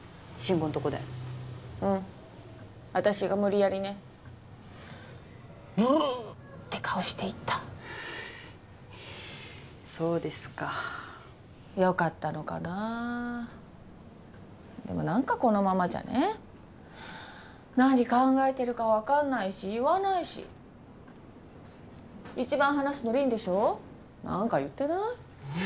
慎吾のとこでうん私が無理やりねブーッて顔して行ったそうですか良かったのかなでも何かこのままじゃね何考えてるか分かんないし言わないし一番話すの凛でしょ何か言ってない？